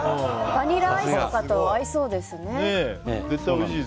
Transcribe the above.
バニラアイスとかと合いそうですね。